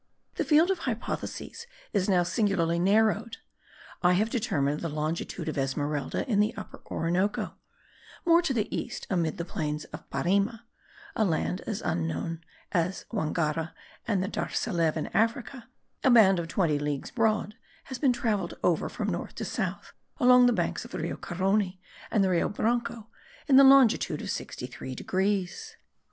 The field of hypotheses is now singularly narrowed. I have determined the longitude of Esmeralda in the Upper Orinoco; more to the east amid the plains of Parima (a land as unknown as Wangara and Dar Saley, in Africa), a band of twenty leagues broad has been travelled over from north to south along the banks of the Rio Carony and the Rio Branco in the longitude of sixty three degrees.